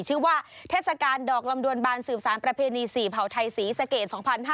ชื่อว่าเทศกาลดอกลำดวนบานสื่อสารประเพณีศรีเผ่าไทยศรีสะเกด๒๕๖๑